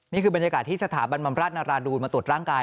นี่คือบรรยากาศที่สถาบันบำราชนาราดูนมาตรวจร่างกาย